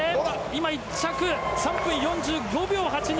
１着、３分４５秒８２。